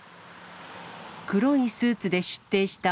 黒いスーツで出廷した